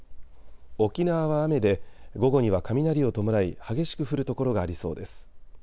沖縄は雨で午後には雷を伴い激しく降る所がありそうです。